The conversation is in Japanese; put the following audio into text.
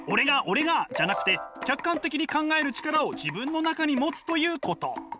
俺が！」じゃなくて客観的に考える力を自分の中に持つということ。